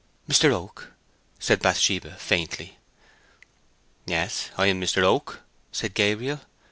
"Mr. Oak," said Bathsheba, faintly. "Yes; I am Mr. Oak," said Gabriel.